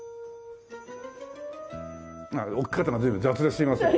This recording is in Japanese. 置き方が随分雑ですいません。